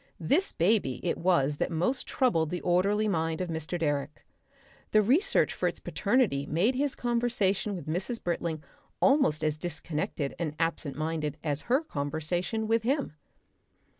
This baby it was that most troubled the orderly mind of Mr. Direck. The research for its paternity made his conversation with Mrs. Britling almost as disconnected and absent minded as her conversation with him.